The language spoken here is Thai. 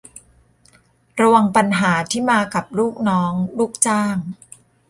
ระวังปัญหาที่มากับลูกน้องลูกจ้าง